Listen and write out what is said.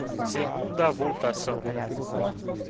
Segunda votação.